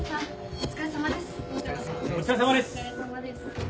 お疲れさまです。